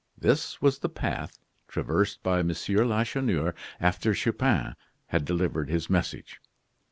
This was the path traversed by M. Lacheneur after Chupin had delivered his message.